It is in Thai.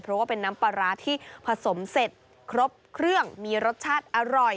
เพราะว่าเป็นน้ำปลาร้าที่ผสมเสร็จครบเครื่องมีรสชาติอร่อย